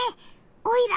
オイラ